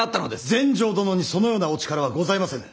全成殿にそのようなお力はございませぬ。